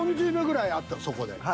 ４０秒ぐらいあったのそこで。